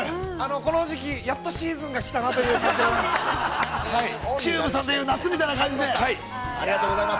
◆この時期、やっとシーズンが来たなという感じでございます。